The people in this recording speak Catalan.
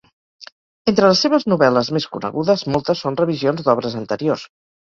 Entre les seves novel·les més conegudes, moltes són revisions d'obres anteriors.